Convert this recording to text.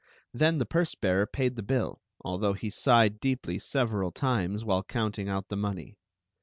Then the purse bearer paid the bill, although he sighed deeply several times while counting out the money.